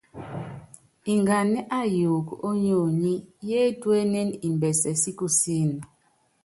Nganá ayuuku ónyonyi, yétuénen imbɛsɛ si kusííni.